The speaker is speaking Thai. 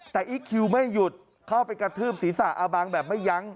แต่อีคคิวไม่หยุดเข้าไปกระทืบศีรษะอาบังแบบไม่ยั้ง